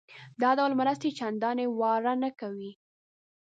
دا ډول مرستې چندانې واره نه کوي.